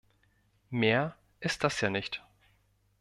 Mehr ist das ja nicht.